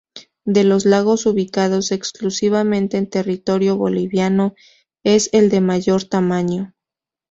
De los lagos ubicados exclusivamente en territorio boliviano es el de mayor tamaño.